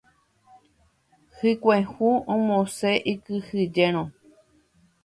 Hykue hũ omosẽ ikyhyjérõ.